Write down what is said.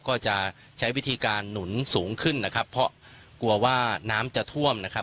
ก็จะใช้วิธีการหนุนสูงขึ้นนะครับเพราะกลัวว่าน้ำจะท่วมนะครับ